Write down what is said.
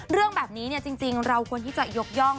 เรื่องแบบนี้จริงเราควรที่จะยกย่อง